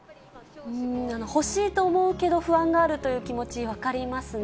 欲しいと思うけど不安があるという気持ち、分かりますね。